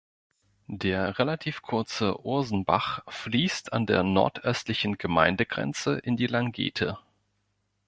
Der relativ kurze Ursenbach fliesst an der nordöstlichen Gemeindegrenze in die Langete.